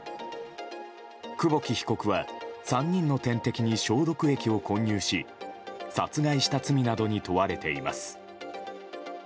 久保木被告は３人の点滴に消毒液を混入し殺害した罪などに問われています。